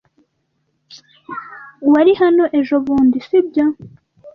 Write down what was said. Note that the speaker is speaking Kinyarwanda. Wari hano ejobundi, si byo?